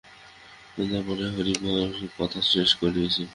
সন্ধ্যার পব হরিহর কথা শেষ করিযী।